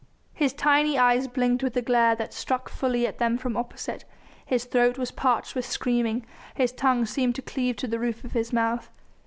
His tiny eyes blinked with the glare that struck fully at them from opposite, his throat was parched with screaming, his tongue seemed to cleave to the roof of his mouth.